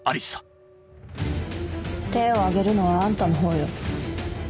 手を上げるのはあんたのほうよ。